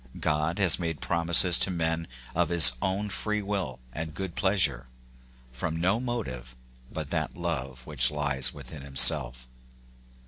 God has made promises to men of his own free will and good pleasure, from no motive but that love which lies within himself.